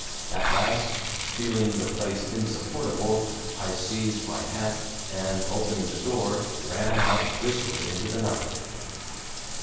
At last, feeling the place insupportable, I seized my hat and opening the door, ran out briskly into the night.